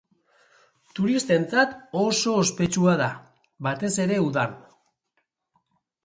Turistentzat oso ospetsua da, batez ere udan.